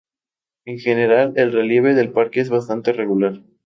En general el relieve del parque es bastante regular.